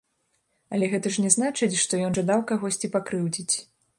Але гэта ж не значыць, што ён жадаў кагосьці пакрыўдзіць.